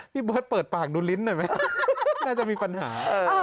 พี่เบิร์ตเปิดปากดูลิ้นหน่อยไหมน่าจะมีปัญหา